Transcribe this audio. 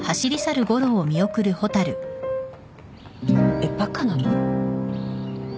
えっバカなの？